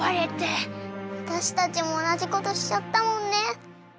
わたしたちもおなじことしちゃったもんね。